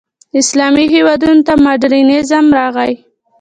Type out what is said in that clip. اسلامي هېوادونو ته مډرنیزم راغی.